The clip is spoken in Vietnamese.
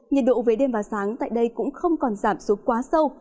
nhiệt độ về đêm và sáng tại đây cũng không còn giảm xuống quá sâu